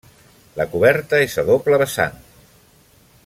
La coberta és a dobla vessant.